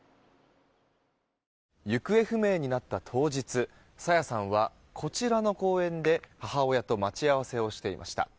行方不明になった当日朝芽さんはこちらの公園で母親と待ち合わせをしていました。